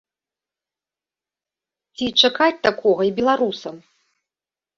Ці чакаць такога і беларусам?